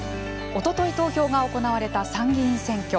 おととい投票が行われた参議院選挙。